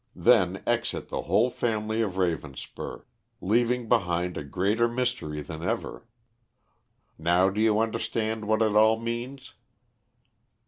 Then exit the whole family of Ravenspur, leaving behind a greater mystery than ever. Now do you understand what it all means?"